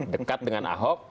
dekat dengan ahok